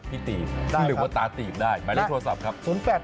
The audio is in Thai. พี่ตีมถึงเรียกว่าตาตีมได้หมายเรื่องโทรศัพท์ครับ